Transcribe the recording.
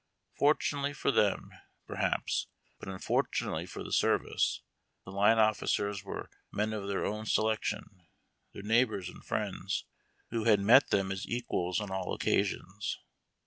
Fortunately fov t em, pe. haps, but unfortunately for the service, the line officeis we e men of their own selection, their neighbors and ^^^^^^ bad met tliein as equals on all occasions.